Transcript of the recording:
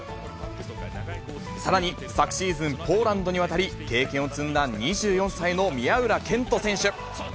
さらに、昨シーズン、ポーランドに渡り、経験を積んだ２４歳の宮浦健人選手。